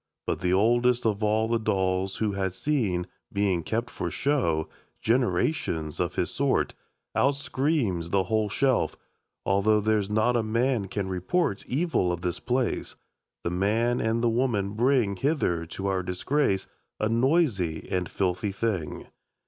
But the oldest of all the dolls Who had seen, being kept for show, Generations of his sort, Out screams the whole shelf: 'Although There's not a man can report Evil of this place, The man and the woman bring Hither to our disgrace, A noisy and filthy thing.'